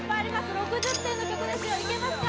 ６０点の曲ですよいけますか？